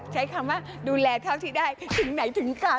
ใช้คำว่าดูแลเท่าที่ได้ถึงไหนถึงกลับ